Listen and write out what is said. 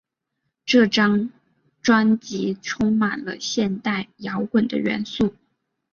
这张专辑充满了现代摇滚的元素。